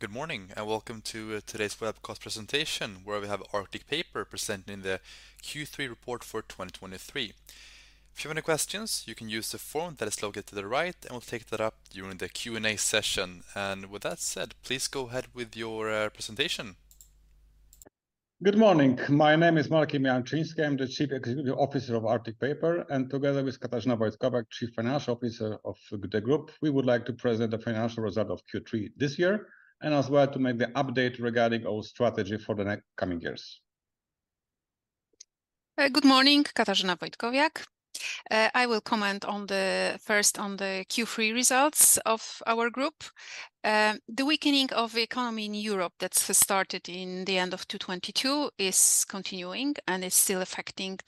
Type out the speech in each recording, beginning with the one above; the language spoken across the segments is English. Good morning, and welcome to today's webcast presentation, where we have Arctic Paper presenting the Q3 report for 2023. If you have any questions, you can use the form that is located to the right, and we'll take that up during the Q&A session. And with that said, please go ahead with your presentation. Good morning. My name is Michał Jarczyński. I'm the Chief Executive Officer of Arctic Paper, and together with Katarzyna Wojtkowiak, Chief Financial Officer of the group, we would like to present the financial result of Q3 this year, and as well to make the update regarding our strategy for the next coming years. Good morning, Katarzyna Wojtkowiak. I will comment first on the Q3 results of our group. The weakening of the economy in Europe that's started in the end of 2022 is continuing, and it's still affecting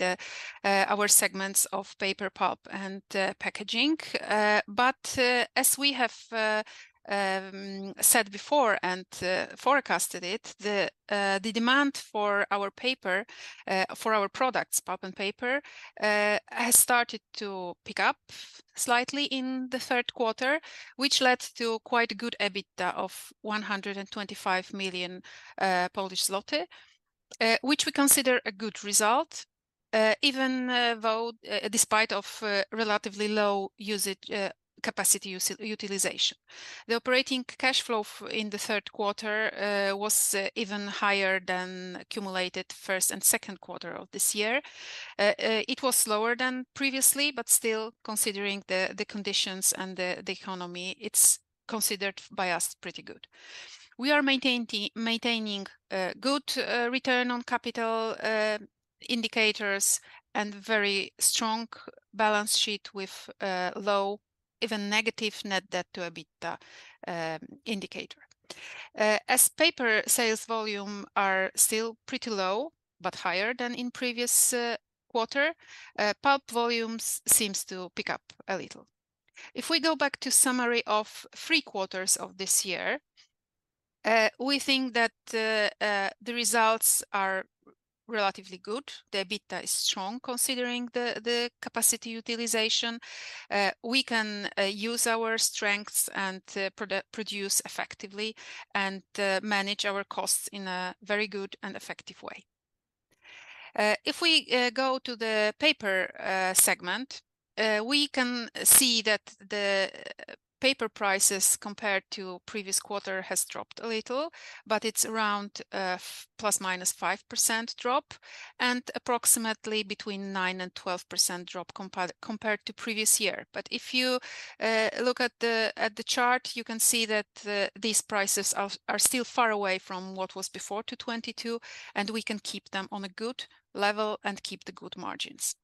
our segments of paper, pulp, and packaging. As we have said before and forecasted it, the demand for our paper for our products, pulp and paper, has started to pick up slightly in the Q3, which led to quite a good EBITDA of 125 million Polish zloty, which we consider a good result, even though despite of relatively low capacity utilization. The operating cash flow in the Q3 was even higher than accumulated first and Q2 of this year. It was lower than previously, but still, considering the conditions and the economy, it's considered by us pretty good. We are maintaining good return on capital indicators and very strong balance sheet with low, even negative net debt to EBITDA indicator. As paper sales volume are still pretty low, but higher than in previous quarter, pulp volumes seems to pick up a little. If we go back to summary of three quarters of this year, we think that the results are relatively good. The EBITDA is strong, considering the capacity utilization. We can use our strengths and produce effectively and manage our costs in a very good and effective way. If we go to the paper segment, we can see that the paper prices compared to previous quarter has dropped a little, but it's around ±5% drop, and approximately between 9%-12% drop compared to previous year. But if you look at the chart, you can see that these prices are still far away from what was before 2022, and we can keep them on a good level and keep the good margins.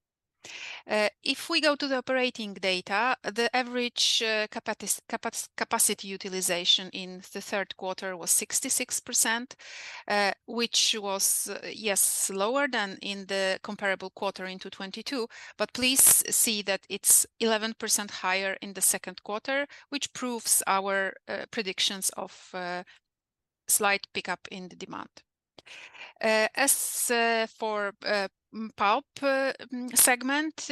If we go to the operating data, the average capacity utilization in the Q3 was 66%, which was, yes, lower than in the comparable quarter in 2022, but please see that it's 11% higher in the Q2, which proves our predictions of slight pickup in the demand. As for pulp segment,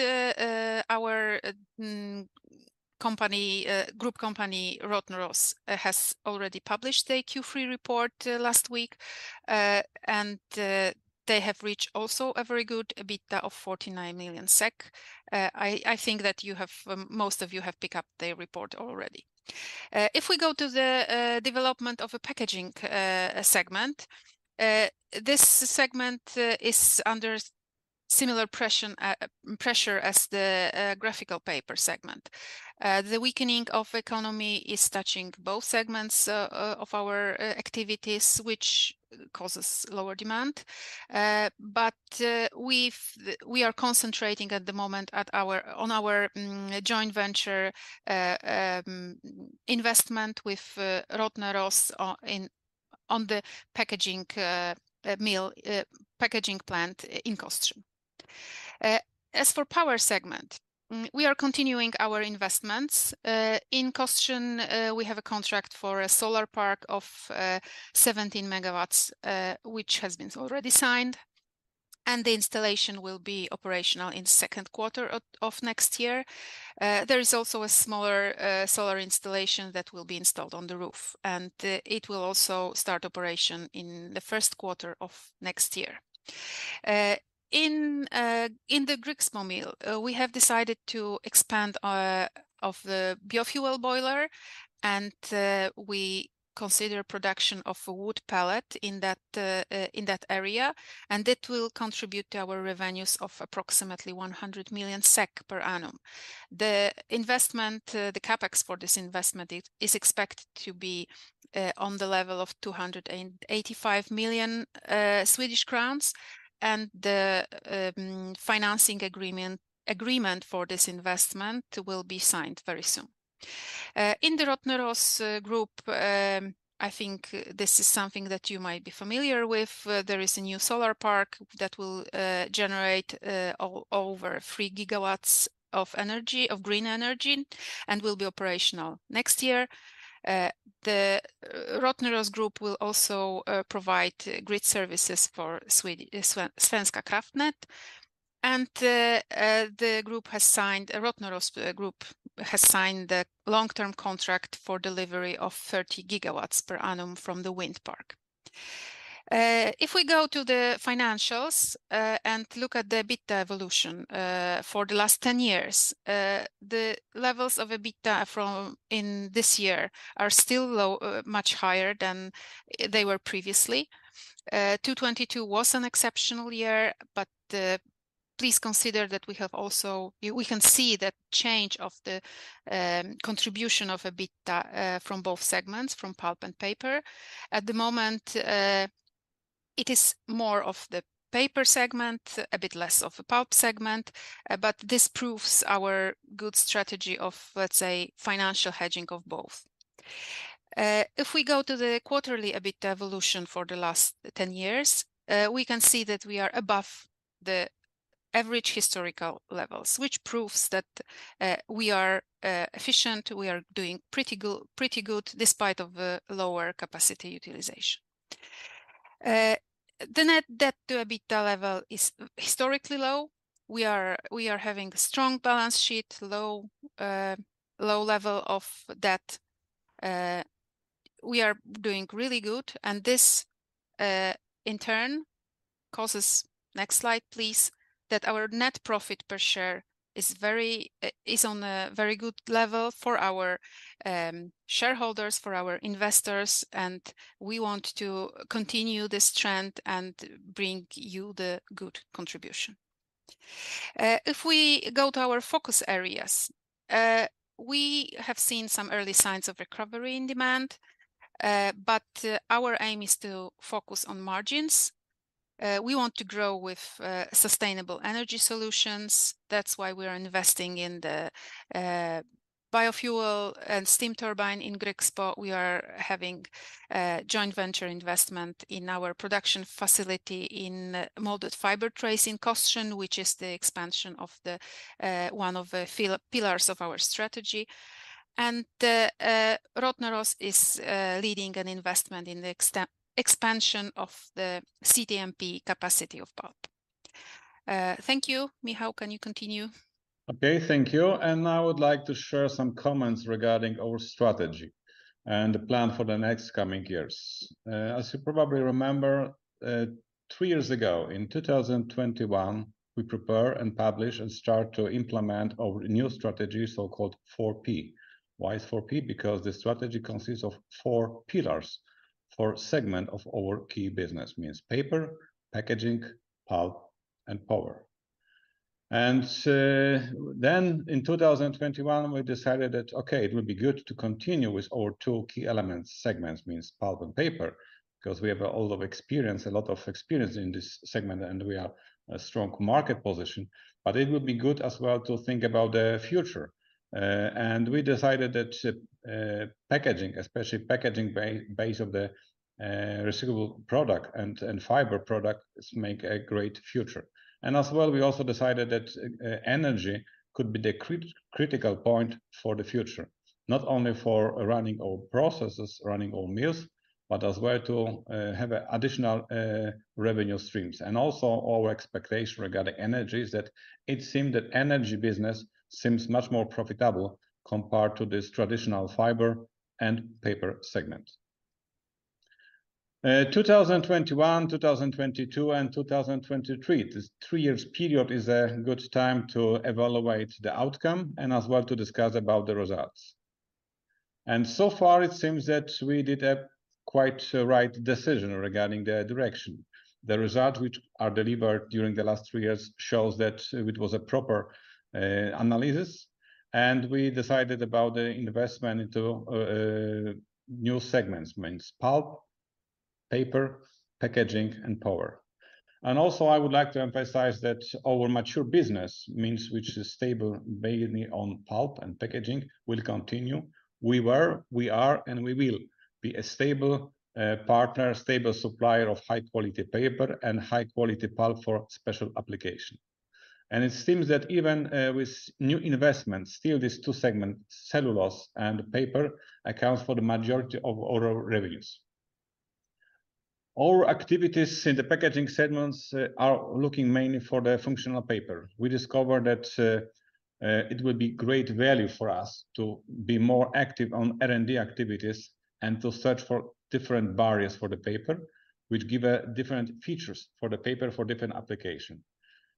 our group company Rottneros has already published their Q3 report last week. They have reached also a very good EBITDA of 49 million SEK. I think that most of you have picked up their report already. If we go to the development of a packaging segment, this segment is under similar pressure as the graphical paper segment. The weakening of economy is touching both segments of our activities, which causes lower demand. But we are concentrating at the moment on our joint venture investment with Rottneros on the packaging plant in Kostrzyn. As for power segment, we are continuing our investments. In Kostrzyn, we have a contract for a solar park of 17 megawatts, which has been already signed, and the installation will be operational in Q2 of next year. There is also a smaller solar installation that will be installed on the roof, and it will also start operation in the Q1 of next year. In the Grycksbo mill, we have decided to expand of the biofuel boiler, and we consider production of a wood pellet in that area, and it will contribute to our revenues of approximately 100 million SEK per annum. The investment, the CapEx for this investment is expected to be on the level of 285 million Swedish crowns, and the financing agreement for this investment will be signed very soon. In the Rottneros Group, I think this is something that you might be familiar with. There is a new solar park that will generate over 3 gigawatts of green energy and will be operational next year. The Rottneros Group will also provide grid services for Svenska kraftnät, and the Rottneros Group has signed the long-term contract for delivery of 30 gigawatts per annum from the wind park. If we go to the financials, and look at the EBITDA evolution, for the last 10 years, the levels of EBITDA from in this year are still low, much higher than they were previously. 2022 was an exceptional year, but please consider that we have also, we can see that change of the contribution of EBITDA, from both segments, from pulp and paper. At the moment, it is more of the paper segment, a bit less of the pulp segment, but this proves our good strategy of, let's say, financial hedging of both. If we go to the quarterly EBITDA evolution for the last 10 years, we can see that we are above the average historical levels, which proves that we are efficient, we are doing pretty good, pretty good despite of lower capacity utilization. The net debt/EBITDA level is historically low. We are having strong balance sheet, low level of debt. We are doing really good, and this in turn causes... Next slide, please, that our net profit per share is very is on a very good level for our shareholders, for our investors, and we want to continue this trend and bring you the good contribution. If we go to our focus areas, we have seen some early signs of recovery in demand, but our aim is to focus on margins. We want to grow with sustainable energy solutions. That's why we are investing in the biofuel and steam turbine in Grycksbo. We are having joint venture investment in our production facility in molded fiber trays in Kostrzyn, which is the expansion of one of the pillars of our strategy. Rottneros is leading an investment in the expansion of the CTMP capacity of pulp. Thank you. Michał, can you continue? Okay, thank you. And I would like to share some comments regarding our strategy and the plan for the next coming years. As you probably remember, three years ago, in 2021, we prepare and publish and start to implement our new strategy, so-called 4P. Why 4P? Because the strategy consists of 4 pillars, four segment of our key business, means paper, packaging, pulp, and power. And then in 2021, we decided that, okay, it would be good to continue with our two key elements. Segments means pulp and paper, 'cause we have a lot of experience, a lot of experience in this segment, and we have a strong market position, but it would be good as well to think about the future. We decided that packaging, especially packaging based on the recyclable product and fiber products, make a great future. And as well, we also decided that energy could be the critical point for the future, not only for running our processes, running our mills, but as well to have additional revenue streams. And also, our expectation regarding energy is that it seemed that energy business seems much more profitable compared to this traditional fiber and paper segment. 2021, 2022 and 2023, this three years period is a good time to evaluate the outcome and as well to discuss about the results. And so far, it seems that we did a quite right decision regarding the direction. The result which are delivered during the last three years shows that it was a proper, analysis, and we decided about the investment into, new segments, means pulp, paper, packaging, and power. Also, I would like to emphasize that our mature business, means which is stable, mainly on pulp and packaging, will continue. We were, we are, and we will be a stable, partner, stable supplier of high-quality paper and high-quality pulp for special application. It seems that even, with new investments, still these two segment, cellulose and paper, accounts for the majority of our revenues. Our activities in the packaging segments, are looking mainly for the functional paper. We discovered that it would be great value for us to be more active on R&D activities and to search for different barriers for the paper, which give different features for the paper for different application.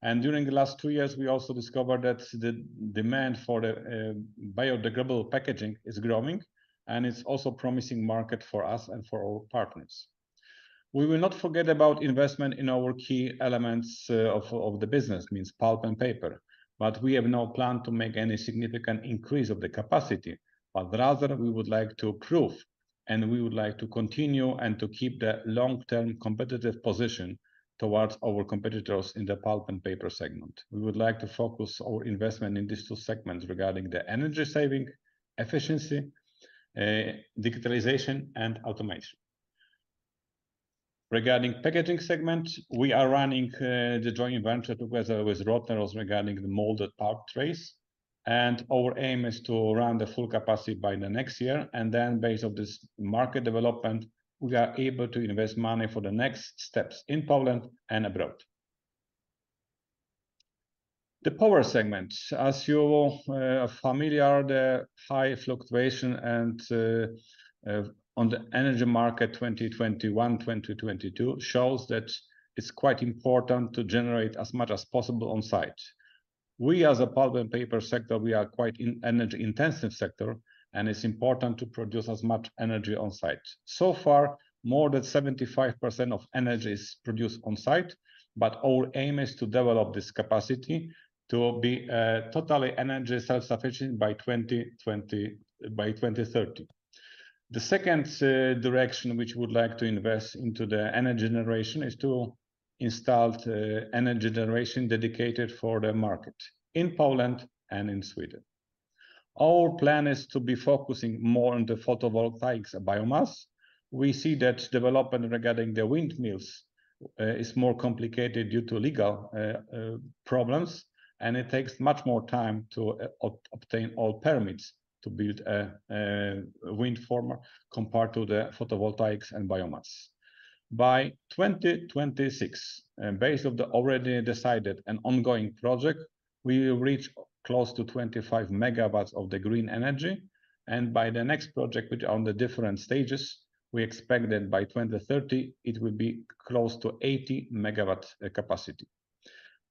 During the last two years, we also discovered that the demand for the biodegradable packaging is growing, and it's also promising market for us and for our partners. We will not forget about investment in our key elements of the business, means pulp and paper, but we have no plan to make any significant increase of the capacity, but rather we would like to improve, and we would like to continue and to keep the long-term competitive position towards our competitors in the pulp and paper segment. We would like to focus our investment in these two segments regarding the energy saving, efficiency, digitalization, and automation. Regarding packaging segment, we are running the joint venture together with Rottneros regarding the molded pulp trays, and our aim is to run the full capacity by the next year, and then based on this market development, we are able to invest money for the next steps in Poland and abroad. The power segment, as you are familiar, the high fluctuation and on the energy market, 2021, 2022, shows that it's quite important to generate as much as possible on site. We, as a pulp and paper sector, we are quite an energy intensive sector, and it's important to produce as much energy on site. So far, more than 75% of energy is produced on site, but our aim is to develop this capacity to be totally energy self-sufficient by 2030. The second direction which we would like to invest into the energy generation is to install the energy generation dedicated for the market in Poland and in Sweden. Our plan is to be focusing more on the photovoltaics and biomass. We see that development regarding the windmills is more complicated due to legal problems, and it takes much more time to obtain all permits to build a wind farm compared to the photovoltaics and biomass. By 2026, based on the already decided and ongoing project, we will reach close to 25 megawatts of the green energy, and by the next project, which are on the different stages, we expect that by 2030, it will be close to 80 megawatt capacity.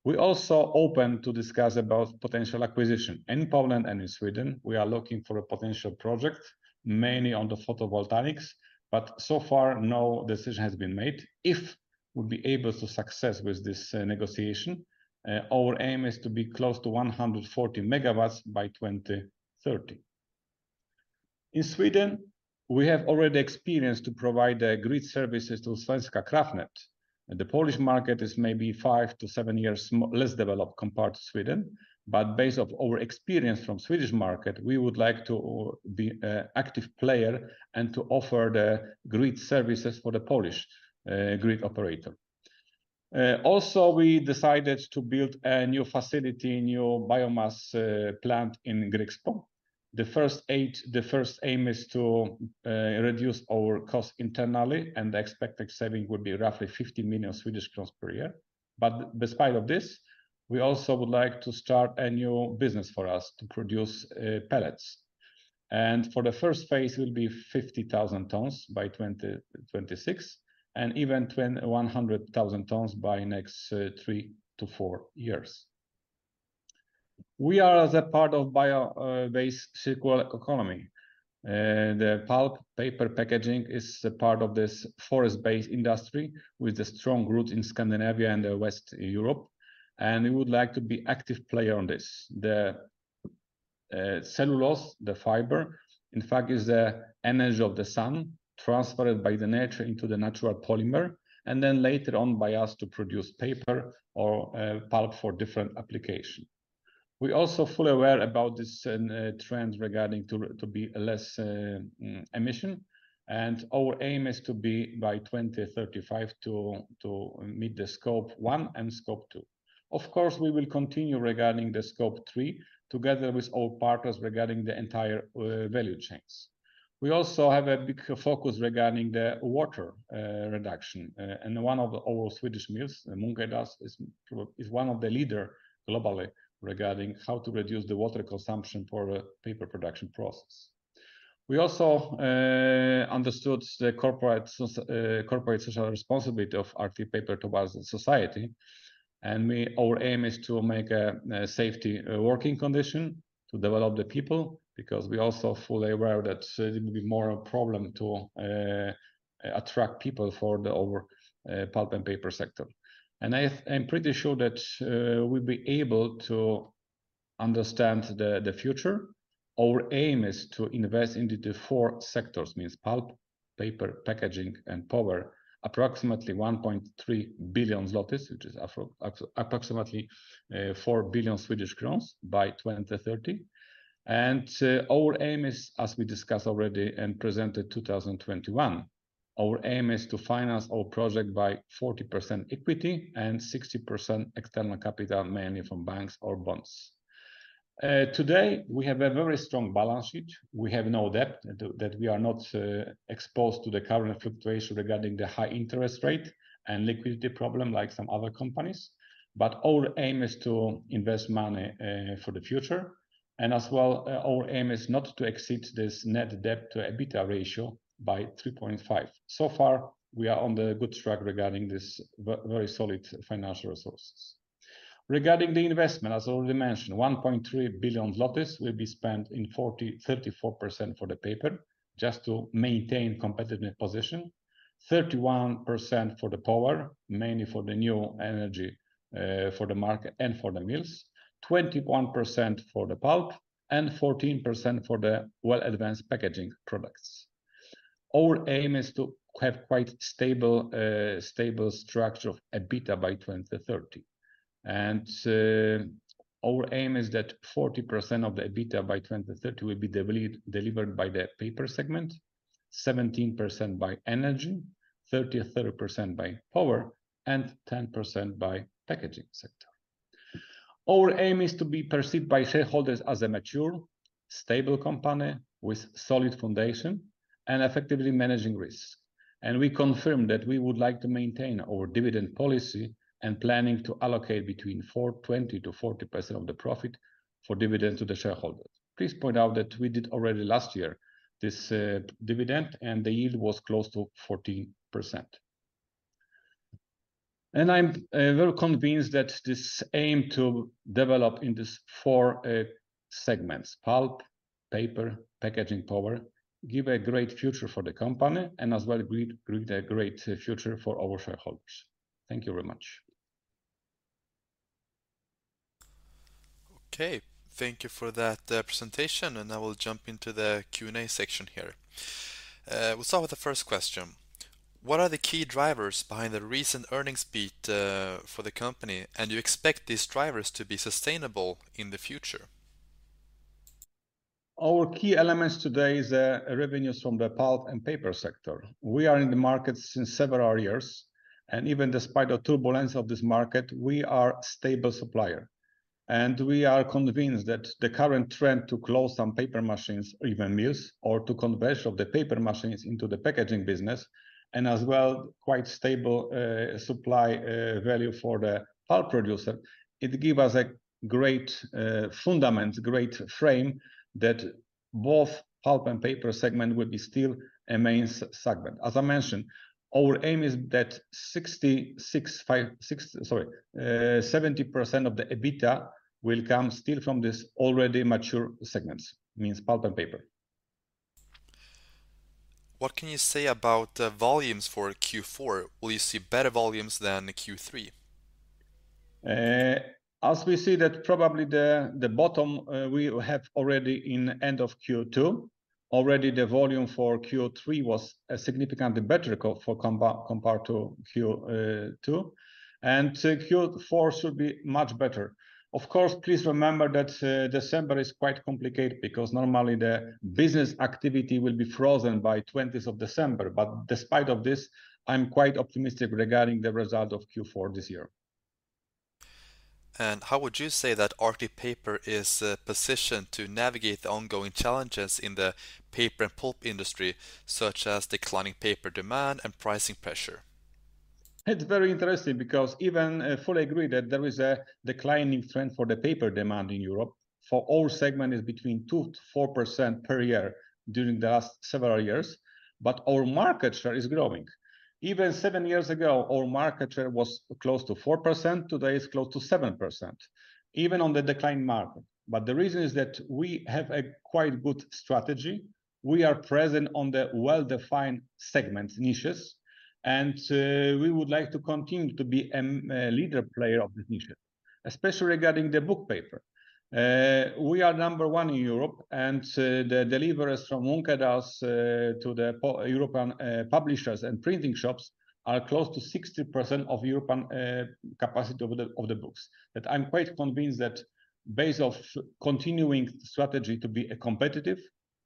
We also open to discuss about potential acquisition. In Poland and in Sweden, we are looking for a potential project, mainly on the photovoltaics, but so far, no decision has been made. If we'll be able to success with this, negotiation, our aim is to be close to 140 MW by 2030. In Sweden, we have already experience to provide the grid services to Svenska kraftnät, and the Polish market is maybe 5-7 years less developed compared to Sweden, but based off our experience from Swedish market, we would like to be a active player and to offer the grid services for the Polish, grid operator. Also, we decided to build a new facility, a new biomass plant in Grycksbo. The first aim is to reduce our cost internally, and the expected saving would be roughly 50 million Swedish kronor per year. Despite of this, we also would like to start a new business for us to produce pellets. For the first phase will be 50,000 tons by 2026, and even 100,000 tons by next 3-4 years. We are as a part of bio-based circular economy, the pulp, paper, packaging is a part of this forest-based industry with a strong root in Scandinavia and Western Europe, and we would like to be active player on this. The cellulose, the fiber, in fact, is the energy of the sun, transferred by the nature into the natural polymer, and then later on by us to produce paper or pulp for different application. We are also fully aware about this trend regarding to be less emission, and our aim is to be by 2035 to meet the Scope 1 and Scope 2. Of course, we will continue regarding the Scope 3, together with all partners regarding the entire value chains. We also have a big focus regarding the water reduction, and one of our Swedish mills, Munkedals, is one of the leader globally regarding how to reduce the water consumption for the paper production process. We also understood the corporate social responsibility of Arctic Paper towards the society, and our aim is to make a safety working condition, to develop the people, because we also fully aware that it will be more a problem to attract people for our pulp and paper sector. And I'm pretty sure that we'll be able to understand the future. Our aim is to invest into the four sectors, means pulp, paper, packaging, and power, approximately 1.3 billion zlotys, which is approximately 4 billion Swedish crowns by 2030. And our aim is, as we discussed already and presented 2021, our aim is to finance our project by 40% equity and 60% external capital, mainly from banks or bonds. Today, we have a very strong balance sheet. We have no debt, that we are not exposed to the current fluctuation regarding the high interest rate and liquidity problem like some other companies, but our aim is to invest money for the future. And as well, our aim is not to exceed this net debt/EBITDA ratio by 3.5. So far, we are on the good track regarding this very solid financial resources. Regarding the investment, as already mentioned, 1.3 billion will be spent in 34% for the paper, just to maintain competitive position; 31% for the power, mainly for the new energy, for the market and for the mills; 21% for the pulp; and 14% for the well-advanced packaging products. Our aim is to have quite stable structure of EBITDA by 2030. Our aim is that 40% of the EBITDA by 2030 will be delivered by the paper segment, 17% by energy, 33% by pulp, and 10% by packaging segment.... Our aim is to be perceived by shareholders as a mature, stable company with solid foundation and effectively managing risks. We confirm that we would like to maintain our dividend policy and planning to allocate between 20%-40% of the profit for dividends to the shareholders. Please point out that we did already last year this dividend, and the yield was close to 40%. I'm well convinced that this aim to develop in these four segments: pulp, paper, packaging, power, give a great future for the company and as well great, great, a great future for our shareholders. Thank you very much. Okay, thank you for that, presentation, and I will jump into the Q&A section here. We'll start with the first question: What are the key drivers behind the recent earnings beat, for the company, and do you expect these drivers to be sustainable in the future? Our key elements today is revenues from the pulp and paper sector. We are in the market since several years, and even despite the turbulence of this market, we are a stable supplier. We are convinced that the current trend to close some paper machines or even mills, or to conversion of the paper machines into the packaging business, and as well, quite stable supply value for the pulp producer, it give us a great fundament, great frame that both pulp and paper segment will be still a main segment. As I mentioned, our aim is that 70% of the EBITDA will come still from this already mature segments, means pulp and paper. What can you say about the volumes for Q4? Will you see better volumes than Q3? As we see that probably the bottom we have already in end of Q2, already the volume for Q3 was a significantly better compared to Q2, and Q4 should be much better. Of course, please remember that December is quite complicated because normally the business activity will be frozen by twentieth of December. But despite of this, I'm quite optimistic regarding the result of Q4 this year. How would you say that Arctic Paper is positioned to navigate the ongoing challenges in the paper and pulp industry, such as declining paper demand and pricing pressure? It's very interesting because even I fully agree that there is a declining trend for the paper demand in Europe, for all segments is between 2%-4% per year during the last several years, but our market share is growing. Even seven years ago, our market share was close to 4%, today it's close to 7%, even on the declining market. But the reason is that we have a quite good strategy. We are present on the well-defined segment niches, and we would like to continue to be a leader player of this niche, especially regarding the book paper. We are number one in Europe, and the deliveries from Munkedal to the European publishers and printing shops are close to 60% of European capacity of the books. That I'm quite convinced that based on continuing strategy to be competitive,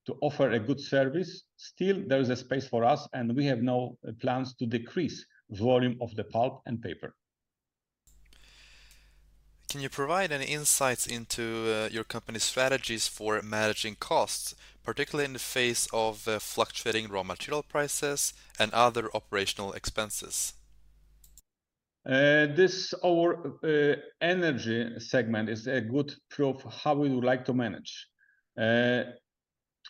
to offer a good service, still there is a space for us, and we have no plans to decrease volume of the pulp and paper. Can you provide any insights into your company's strategies for managing costs, particularly in the face of fluctuating raw material prices and other operational expenses? This, our energy segment, is a good proof how we would like to manage.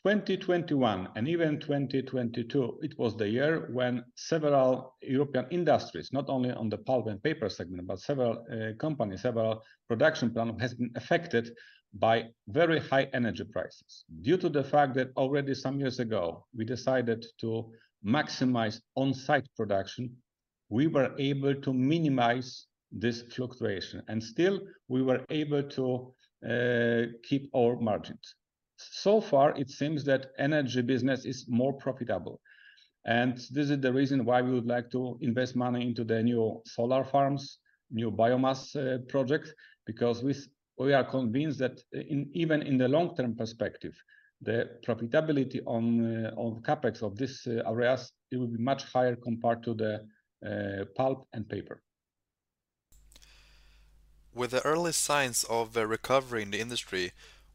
2021, and even 2022, it was the year when several European industries, not only on the pulp and paper segment, but several companies, several production plant, has been affected by very high energy prices. Due to the fact that already some years ago, we decided to maximize on-site production, we were able to minimize this fluctuation, and still, we were able to keep our margins. So far, it seems that energy business is more profitable, and this is the reason why we would like to invest money into the new solar farms, new biomass projects, because we are convinced that even in the long-term perspective, the profitability on CapEx of this areas, it will be much higher compared to the pulp and paper. With the early signs of a recovery in the industry,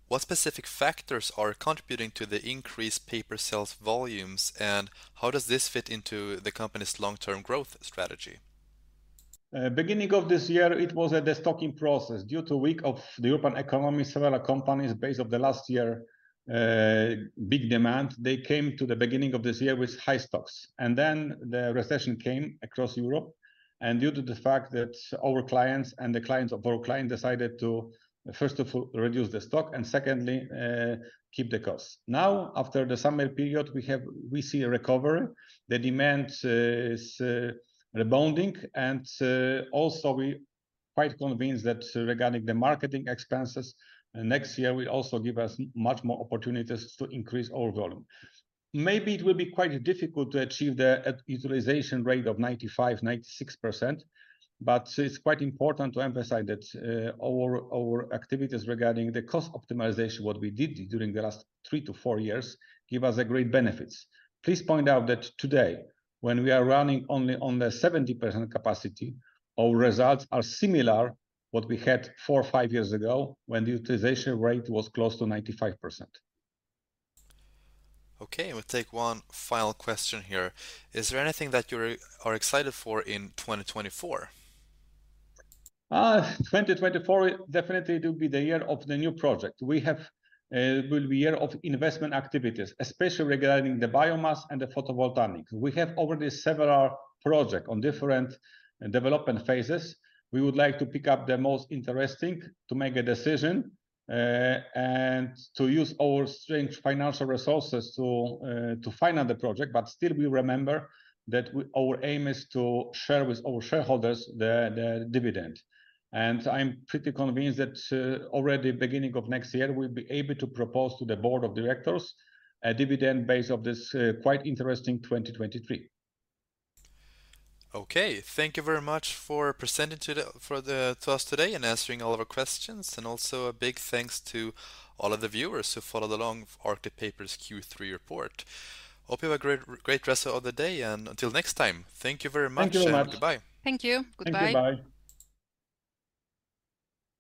what specific factors are contributing to the increased paper sales volumes, and how does this fit into the company's long-term growth strategy? Beginning of this year, it was a destocking process. Due to weakness of the European economy, several companies, based on the last year, big demand, they came to the beginning of this year with high stocks, and then the recession came across Europe, and due to the fact that our clients and the clients of our clients decided to, first of all, reduce the stock, and secondly, keep the costs. Now, after the summer period, we see a recovery. The demand is rebounding, and also, we're quite convinced that regarding the marketing expenses, next year will also give us much more opportunities to increase our volume. Maybe it will be quite difficult to achieve the utilization rate of 95%-96%, but it's quite important to emphasize that our activities regarding the cost optimization, what we did during the last 3-4 years, give us a great benefits. Please point out that today, when we are running only on the 70% capacity, our results are similar what we had 4-5 years ago, when the utilization rate was close to 95%. Okay, we'll take one final question here: Is there anything that you're excited for in 2024? 2024 definitely it will be the year of the new project. We have will be year of investment activities, especially regarding the biomass and the photovoltaic. We have already several project on different development phases. We would like to pick up the most interesting to make a decision, and to use our strength, financial resources, to, to finance the project, but still we remember that our aim is to share with our shareholders the, the dividend. And I'm pretty convinced that, already beginning of next year, we'll be able to propose to the Board of Directors a dividend based of this, quite interesting 2023. Okay, thank you very much for presenting to us today and answering all of our questions. Also a big thanks to all of the viewers who followed along Arctic Paper's Q3 report. Hope you have a great, great rest of the day, and until next time, thank you very much. Thank you very much. And goodbye. Thank you. Goodbye. Thank you. Bye.